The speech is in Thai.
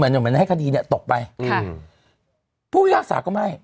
ภูมิภาคศาสตร์ก็ไม่